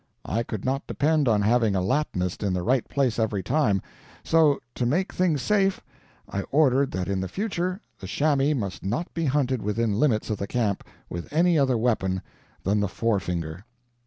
I could not depend on having a Latinist in the right place every time; so, to make things safe, I ordered that in the future the chamois must not be hunted within limits of the camp with any other weapon than the forefinger.